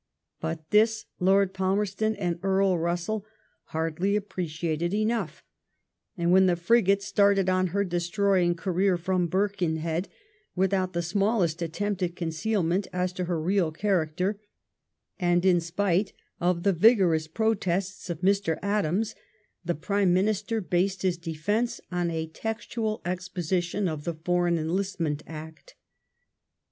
But this Lord Palmerston and Earl Bussell hardly appreciated enough ; and when the frigate started on her destroying career from Bir kenhead, without the smallest attempt at concealment as to her real character, and in spite of the vigorous protests of Mr. Adams, the Prime Minister based his defence on a textual exposition of the Foreign Enlist* ment Act.